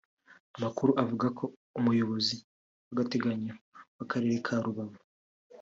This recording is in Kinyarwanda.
Amakuru avuga ko Umuyobozi w’agateganyo w’Akarere ka Rubavu